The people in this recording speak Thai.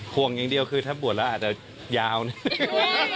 ห่วงอย่างเดียวคือถ้าบวชแล้วอาจจะยาวนะ